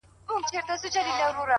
پرون دي بيا راته غمونه راكړل؛